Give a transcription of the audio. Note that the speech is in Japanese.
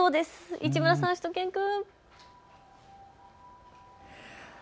市村さん、しゅと犬くん。